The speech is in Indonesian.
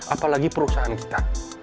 apalagi perusahaan kita